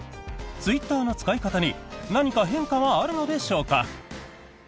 ツイッターの使い方に何か変化はあるのでしょうか？